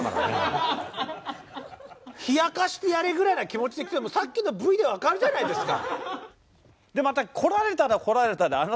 冷やかしてやれぐらいな気持ちで来てさっきのＶで分かるじゃないですか。